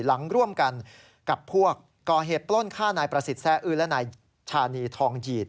หลังร่วมกันกับพวกก่อเหตุปล้นฆ่านายประสิทธิ์แร่อื้อและนายชานีทองหยีด